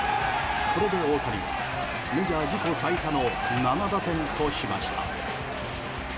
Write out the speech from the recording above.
これで大谷はメジャー自己最多の７打点としました。